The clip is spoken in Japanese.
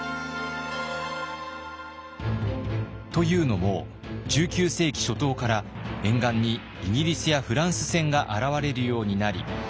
というのも１９世紀初頭から沿岸にイギリスやフランス船が現れるようになり。